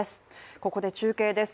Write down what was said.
ここで中継です。